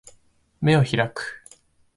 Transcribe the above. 眼を開く